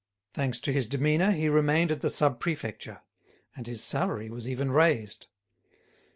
Thanks to this demeanour, he remained at the Sub Prefecture; and his salary was even raised.